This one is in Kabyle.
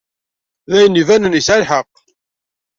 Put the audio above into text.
D ayen ibanen, yesɛa lḥeqq.